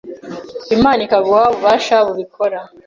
Imana ikaguha ubasha kubikora